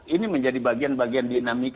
ini menjadi bagian bagian dinamika